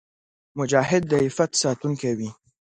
مجاهد د عفت ساتونکی وي.